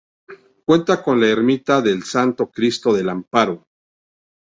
Cuenta con la Ermita del Santo Cristo del Amparo.